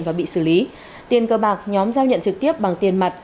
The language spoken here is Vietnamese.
và bị xử lý tiền cơ bạc nhóm giao nhận trực tiếp bằng tiền mặt